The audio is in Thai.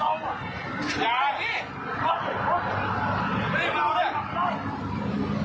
ขอบคุณครับ